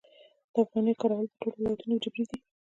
د افغانیو کارول په ټولو ولایتونو کې جبري دي؟